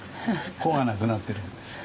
「子」がなくなってるんですよ。